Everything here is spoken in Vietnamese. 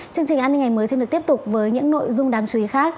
chương trình an ninh ngày mới xin được tiếp tục với những nội dung đáng chú ý khác